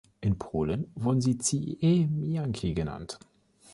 In Polen wurden sie „ziemianki“ genannt.